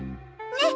ねっ！